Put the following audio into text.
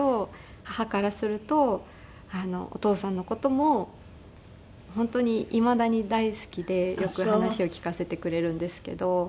母からするとお父さんの事も本当にいまだに大好きでよく話を聞かせてくれるんですけど。